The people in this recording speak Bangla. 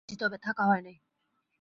বষ্টনে আমি গিয়াছি, তবে থাকা হয় নাই।